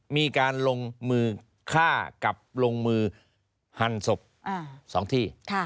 มีการลงมือฆ่ากับลงมือหั่นศพ๒ที่